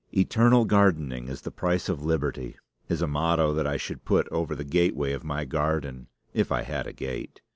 "Eternal gardening is the price of liberty" is a motto that I should put over the gateway of my garden, if I had a gate.